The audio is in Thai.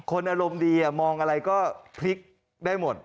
อารมณ์ดีมองอะไรก็พลิกได้หมด